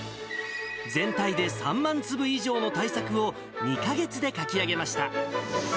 全体で３万粒以上の大作を、２か月で描き上げました。